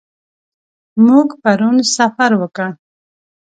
موږ پرون سفر وکړ.